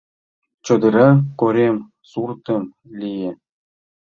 Чодыра корем суртем лие.